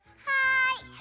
はい。